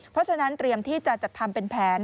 เพราะฉะนั้นเตรียมที่จะจัดทำเป็นแผน